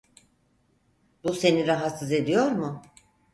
Bu seni rahatsız ediyor mu?